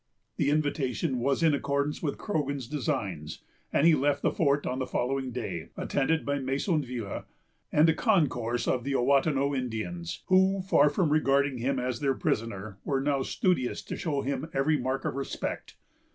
The invitation was in accordance with Croghan's designs; and he left the fort on the following day, attended by Maisonville, and a concourse of the Ouatanon Indians, who, far from regarding him as their prisoner, were now studious to show him every mark of respect.